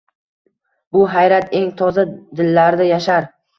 Bu hayrat eng toza dillarda yashar.